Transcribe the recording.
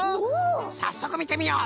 さっそくみてみよう！